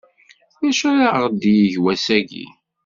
D acu ara ɣ-d-yeg wass-agi?